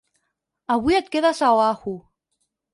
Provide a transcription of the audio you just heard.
Avui et quedes a Oahu.